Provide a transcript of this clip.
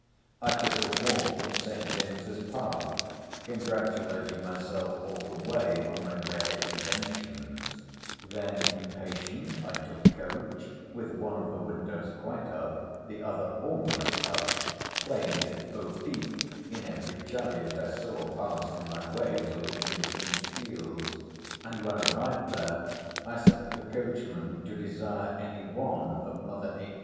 I took a walk in St. James's Park, congratulating myself all the way on my rare inventions: then, impatient, I took coach, with one of the windows quite up, the other almost up, playing at bo peep in every chariot I saw pass in my way to Lincoln's inn fields: and when arrived there I sent the coachman to desire any one of Mother H.